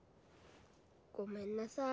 ごめんなさい。